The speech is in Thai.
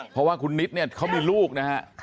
เพราะว่าคุณนิดเนี่ยเขามีลูกนะฮะ